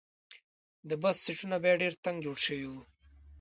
د بس سیټونه بیا ډېر تنګ جوړ شوي وو.